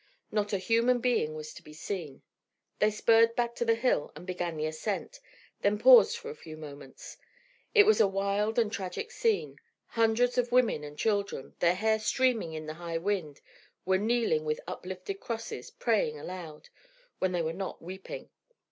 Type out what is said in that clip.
Not a human being was to be seen. They spurred back to the hill and began the ascent, then paused for a few moments. It was a wild and tragic scene. Hundreds of women and children, their hair streaming in the high wind, were kneeling with uplifted crosses, praying aloud, when they were not weeping.